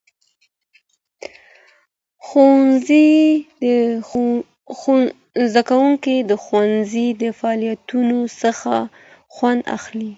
زدهکوونکي د ښوونځي د فعالیتونوڅخه خوند اخلي.